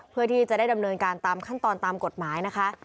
เพื่อที่จะได้ดำเนินการตามขั้นตอนตามกฎหมายนะคะ